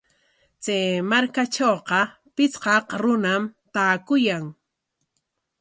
Chay wasitrawqa pichqaq runam taakuyan.